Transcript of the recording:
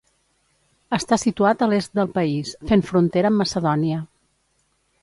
Està situat a l'est del país, fent frontera amb Macedònia.